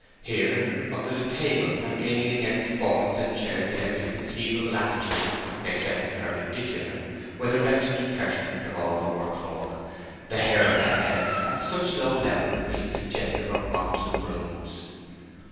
Here, under the table, and leaning against forms and chairs in every conceivable attitude except the perpendicular, were the wretched persons of all the work folk, the hair of their heads at such low levels being suggestive of mops and brooms.